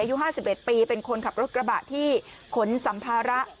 อายุห้าสิบเอ็ดปีเป็นคนขับรถกระบะที่ขนซำภาระ